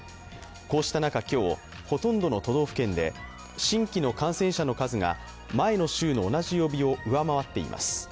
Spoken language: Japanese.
こうした中、今日、ほとんどの都道府県で新規の感染者の数が前の週の同じ曜日を上回っています。